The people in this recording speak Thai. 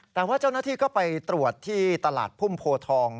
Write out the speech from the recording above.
แต่ว่าเจ้าหน้าที่ก็ไปตรวจที่ตลาดพุ่มโพทอง